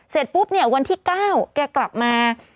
เสร็จปุ๊บเนี่ยวันที่๙แกกลับมา